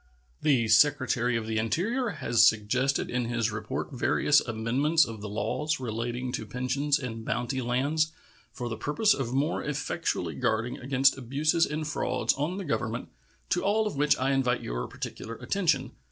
The Secretary of the Interior has suggested in his report various amendments of the laws relating to pensions and bounty lands for the purpose of more effectually guarding against abuses and frauds on the Government, to all of which I invite your particular attention.